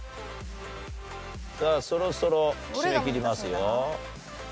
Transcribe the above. さあそろそろ締め切りますよ。